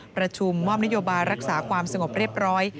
ประชุมมอบนโยบายรักษาความสงบเรียบร้อย